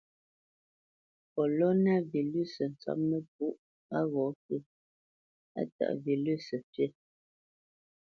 Kolona vilʉsǝ tsópnǝpú á ghǒ fí, á taʼ vilʉsǝ fǐ.